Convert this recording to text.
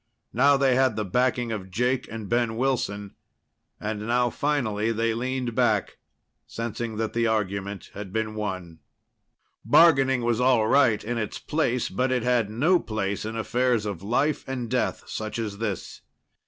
Now they had the backing of Jake and Ben Wilson. And now finally they leaned back, sensing that the argument had been won. Bargaining was all right in its place, but it had no place in affairs of life and death such as this.